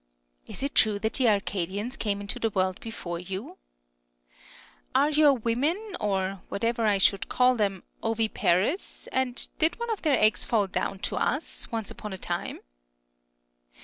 Is it true that the Arcadians came into the world before you ?^ Are your women, or whatever I should call them, oviparous, and did one of their eggs fall down to us, once upon a time